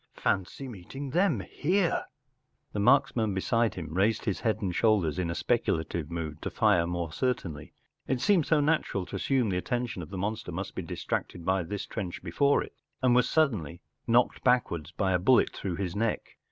Fancy meeting them here !' f The marks¬ man beside him raised his head and shoulders in a speculative mood to fire more certainly —it seemed so natural to assume the attention of the monster must be distracted by this trench before it—and was suddenly knocked backwards by a bullet through his neck.